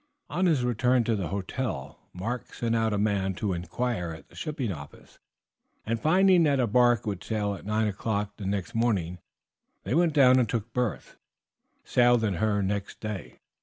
On his return to the hotel Mark sent out a man to inquire at the shipping offices, and finding that a bark would sail at nine o'clock the next morning, they went down and took berths, and sailed in her next day.